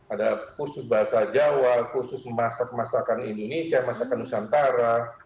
ada kursus bahasa jawa kursus masakan indonesia masakan nusantara